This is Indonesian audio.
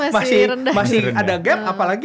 masih ada gap apalagi